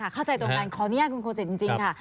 เข้าใจตรงกันขออนุญาตคุณโคสิตจริงค่ะ